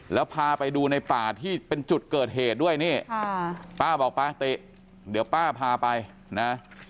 แล้วพาไปดูในป่าที่เป็นจุดเกิดเหตุด้วยนี่ป้าบอกป้าติเดี๋ยวป้าพาไปนะ